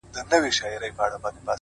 مُريد ښه دی ملگرو او که پير ښه دی؛